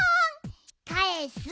かえす？